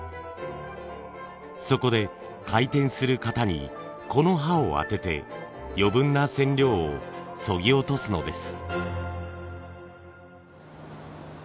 そこで回転する型にこの刃を当てて余分な染料をそぎ落とすのです。